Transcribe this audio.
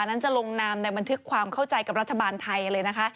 นั้นจะลงนามในบันทึกความเข้าใจกับรัฐบาลไทยเลยนะคะ